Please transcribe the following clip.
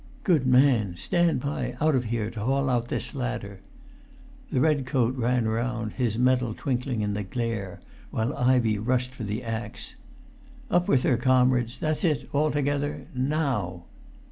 "Good man! Stand by, out there, to haul out this ladder!" The red coat ran round, his medal twinkling in the glare, while Ivey rushed for the axe. [Pg 396]"Up with her, comrades! That's it—altogether—now!"